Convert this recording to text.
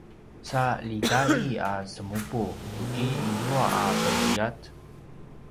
sa ljitai a semupu tuki izua a penuljat?